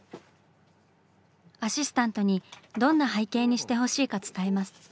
アシスタントにどんな背景にしてほしいか伝えます。